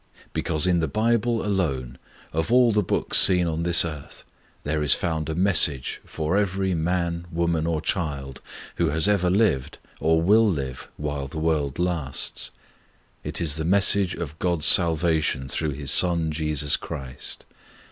Because in the Bible alone, of all the books seen on this earth, there is found a message for every man, woman, or child who has ever lived or will live while the world lasts: It is the Message of God's Salvation through His Son Jesus Christ.